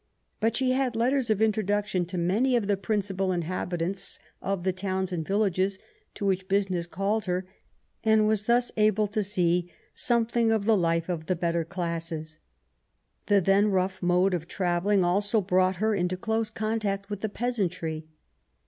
But she had letters of introduction to many of the principal inhabi tants of the towns and villages to which business called her, and was thus able to see something of the life of the better classes. The then rough mode of travellings also brought her into close contact with the peasantry.